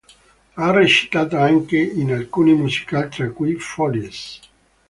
Ha recitato anche in alcuni musical, tra cui "Follies".